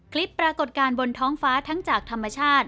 ปรากฏการณ์บนท้องฟ้าทั้งจากธรรมชาติ